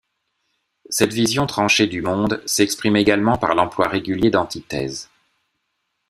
Cette vision tranchée du monde s'exprime également par l'emploi régulier d'antithèses.